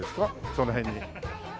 その辺に。